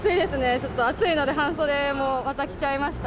ちょっと暑いので、半袖もまた着ちゃいました。